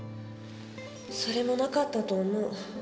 それもなかったと思う。